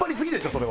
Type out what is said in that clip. それは。